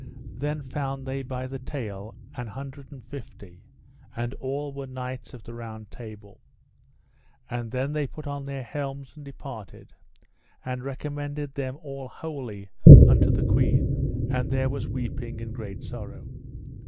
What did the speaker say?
Then found they by the tale an hundred and fifty, and all were knights of the Round Table. And then they put on their helms and departed, and recommended them all wholly unto the queen; and there was weeping and great sorrow.